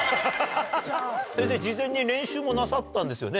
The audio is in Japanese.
先生事前に練習もなさったんですよね？